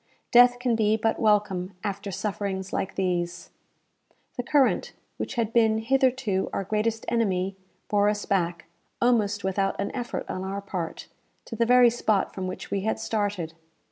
"Death can be but welcome after sufferings like these." The current, which had been hitherto our greatest enemy, bore us back, almost without an effort on our part, to the very spot from which we had started.